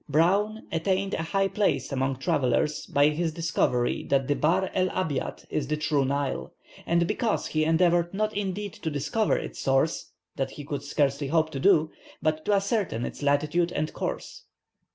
Browne attained a high place among travellers by his discovery that the Bahr el Abiad is the true Nile, and because he endeavoured not indeed to discover its source, that he could scarcely hope to do, but to ascertain its latitude and course.